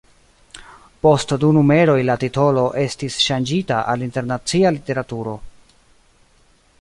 Post du numeroj la titolo estis ŝanĝita al Internacia Literaturo.